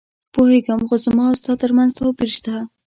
پوهېږم، خو زما او ستا ترمنځ توپیر شته.